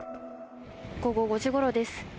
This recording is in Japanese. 午後５時ごろです。